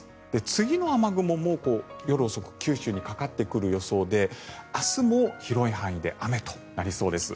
次の雨雲も夜遅く九州にかかってくる予想で明日も広い範囲で雨となりそうです。